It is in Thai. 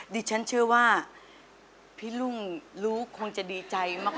ดิฉันเชื่อว่าพี่รุ่งรู้คงจะดีใจมาก